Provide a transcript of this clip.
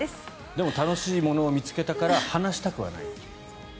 でも楽しいものを見つけたから放したくはないという。